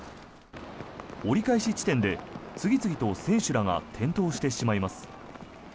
折り返し地点で次々と選手らが転倒してしまいます。